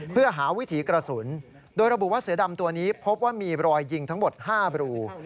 เพื่อหาวิถีกระสุนโดยระบุว่าเสือดำตัวนี้พบว่ามีรอยยิงทั้งหมด๕บรู